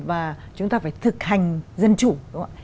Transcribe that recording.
và chúng ta phải thực hành dân chủ đúng không ạ